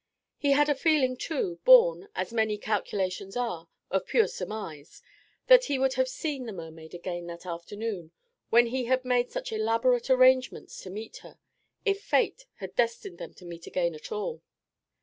He had a feeling, too, born, as many calculations are, of pure surmise, that he would have seen the mermaid again that afternoon, when he had made such elaborate arrangements to meet her, if Fate had destined them to meet again at all.